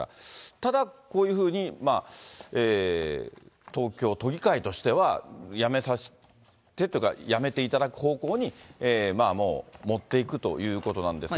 ただ、こういうふうに東京都議会としては辞めさせてというか、辞めていただく方向にもう持っていくということなんですが。